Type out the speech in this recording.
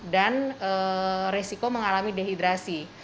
dan resiko mengalami dehidrasi